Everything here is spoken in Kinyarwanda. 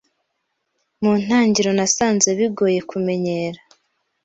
Mu ntangiriro nasanze bigoye kumenyera.